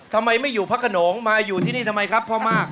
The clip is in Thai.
ทำไมไม่อยู่พระขนงมาอยู่ที่นี่ทำไมครับพ่อมาก